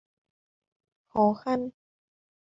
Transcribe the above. khó khăn